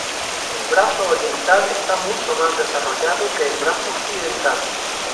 El brazo oriental está mucho más desarrollado que el brazo occidental.